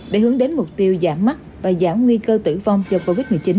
để hướng đến mục tiêu giảm mắt và giảm nguy cơ tử vong do covid một mươi chín